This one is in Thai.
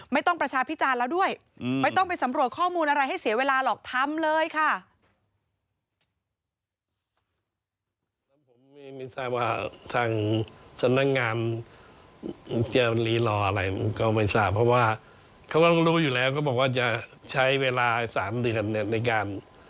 ประชาพิจารณ์แล้วด้วยไม่ต้องไปสำรวจข้อมูลอะไรให้เสียเวลาหรอกทำเลยค่ะ